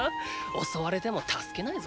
襲われても助けないぞ。